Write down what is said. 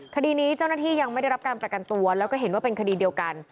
คดีนี้เจ้าหน้าที่ยังไม่ได้รับการประกันตัวแล้วก็เห็นว่าเป็นคดีเดียวกัน